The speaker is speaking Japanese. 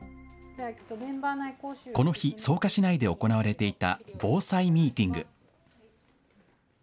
この日、草加市内で行われていた防災ミーティング。